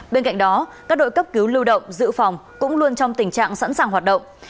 bên cạnh đó các đội cấp cứu lưu động dự phòng cũng luôn trong tình trạng sẵn sàng hoạt động